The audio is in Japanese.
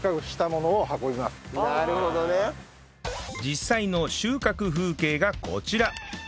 実際の収穫風景がこちら